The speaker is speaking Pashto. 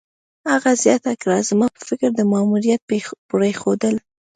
هغې زیاته کړه: "زما په فکر، د ماموریت پرېښودل